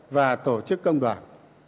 và tổ chức công đoàn